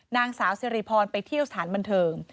นางสาวสิริพรไปเที่ยวสถานบันเทิง